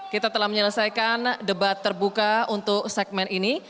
kita telah menyelesaikan debat terbuka untuk segmen ini